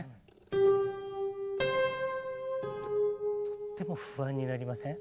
とっても不安になりません？